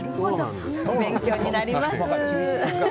勉強になります。